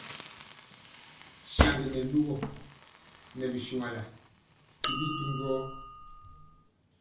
Saŋgi nɛ lugɔ nɛ bi shuanla ti bi du njɔɔ.